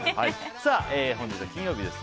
本日は金曜日です。